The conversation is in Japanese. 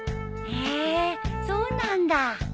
へえそうなんだ。